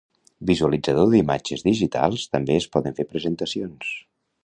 Visualitzador d'imatges digitals, també es poden fer presentacions.